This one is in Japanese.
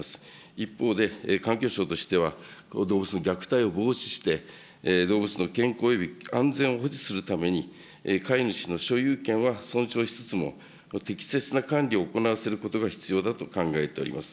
一方で、環境省としては、動物の虐待を防止して、動物の健康および安全を保持するために、飼い主の所有権は尊重しつつも、適切な管理をすることが必要だと考えております。